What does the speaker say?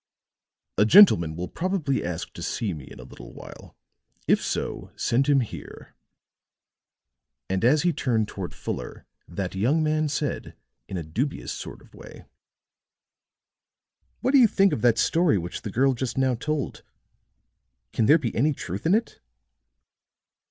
"A gentleman will probably ask to see me in a little while; if so, send him here." And as he turned toward Fuller, that young man said, in a dubious sort of way: "What do you think of that story which the girl just now told? Can there be any truth in it?"